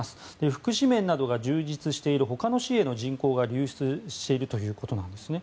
福祉面などが充実している他の市への人口が流出しているということなんですね。